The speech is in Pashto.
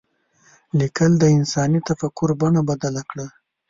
لیکل د انساني تفکر بڼه بدله کړه.